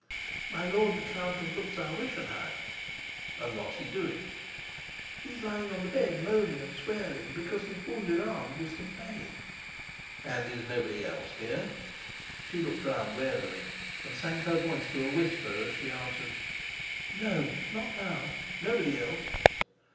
"My lord the Count of Luzau Rischenheim." "And what's he doing?" "He's lying on the bed moaning and swearing, because his wounded arm gives him pain." "And is nobody else here?" She looked round warily, and sank her voice to a whisper as she answered: "No, not now nobody else."